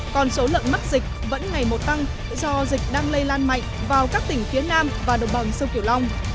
còn số lợn mắc dịch vẫn ngày một tăng do dịch đang lây lan mạnh vào các tỉnh phía nam và đồng bằng sông kiểu long